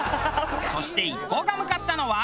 そして一行が向かったのは。